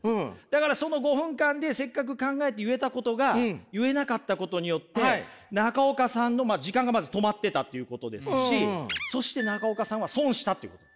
だからその５分間でせっかく考えて言えたことが言えなかったことによって中岡さんの時間がまず止まってたっていうことですしそして中岡さんは損したということ。